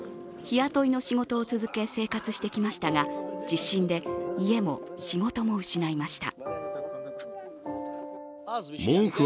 日雇いの仕事を続け生活してきましたが地震で家も仕事も失いました。